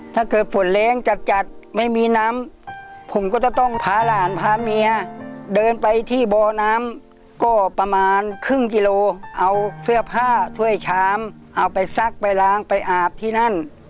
ถ้าเกิดฝนแรงจัดจัดไม่มีน้ำผมก็จะต้องพาหลานพาเมียเดินไปที่บ่อน้ำก็ประมาณครึ่งกิโลเอาเสื้อผ้าถ้วยชามเอาไปซักไปล้างไปอาบที่นั่น